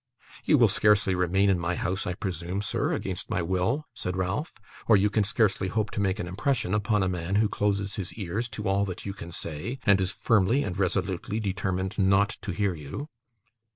'You will scarcely remain in my house, I presume, sir, against my will,' said Ralph; 'or you can scarcely hope to make an impression upon a man who closes his ears to all that you can say, and is firmly and resolutely determined not to hear you.